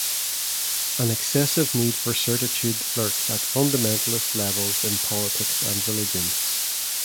An excessive need for certitude lurks at fundamentalist levels in politics and religions.